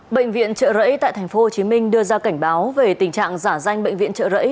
bệnh viện trợ rẫy tại tp hcm đưa ra cảnh báo về tình trạng giả danh bệnh viện trợ rẫy